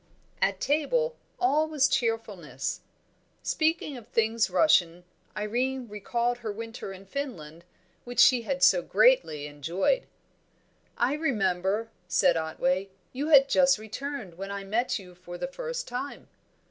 At table all was cheerfulness. Speaking of things Russian, Irene recalled her winter in Finland, which she had so greatly enjoyed. "I remember," said Otway, "you had just returned when I met you for the first time."